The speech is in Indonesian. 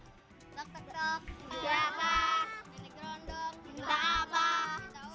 ubi gerondong minta apa